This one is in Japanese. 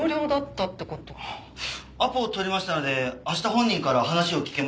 アポを取りましたので明日本人から話を聞けます。